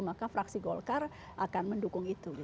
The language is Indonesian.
maka fraksi golkar akan mendukung itu